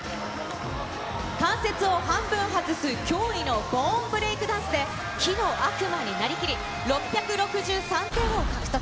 関節を半分外す驚異のボーンブレイクダンスで、木の悪魔になりきり、６６３点を獲得。